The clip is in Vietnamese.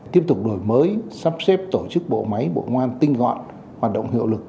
tiếp tục đổi mới sắp xếp tổ chức bộ máy bộ ngoan tinh gọn hoạt động hiệu lực